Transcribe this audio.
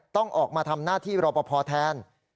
ต้องออกมาทำหน้าที่รอปภแทน